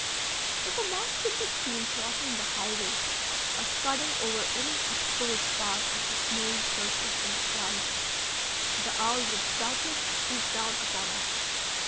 If a mouse should be seen crossing the highway, or scudding over any exposed part of the snowy surface in the twilight, the owl would doubtless swoop down upon it.